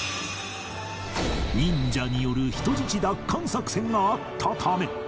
忍者による人質奪還作戦があったため